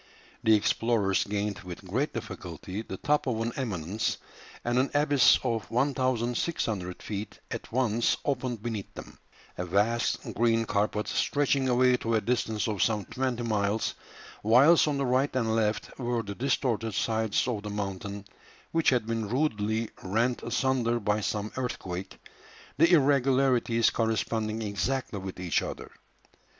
The explorers gained with great difficulty the top of an eminence, and an abyss of 1600 feet at once opened beneath them; a vast green carpet stretching away to a distance of some twenty miles, whilst on the right and left were the distorted sides of the mountain, which had been rudely rent asunder by some earthquake, the irregularities corresponding exactly with each other.